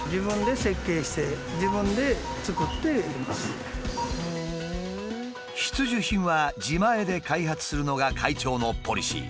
実は必需品は自前で開発するのが会長のポリシー。